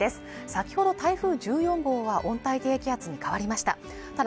先ほど台風１４号は温帯低気圧に変わりました